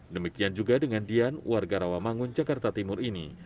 demikian juga dengan dian warga rawamangun jakarta timur ini